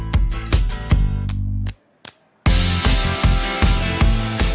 kuliner bebek merdeka sambal bledek